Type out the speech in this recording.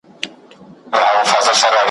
په لوی ښار کي یوه لویه وداني وه `